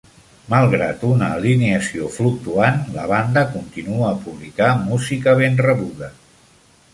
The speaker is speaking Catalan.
Malgrat una alineació fluctuant, la banda continua a publicar música ben rebuda.